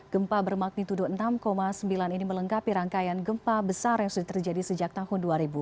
gempa bermagnitudo enam sembilan ini melengkapi rangkaian gempa besar yang sudah terjadi sejak tahun dua ribu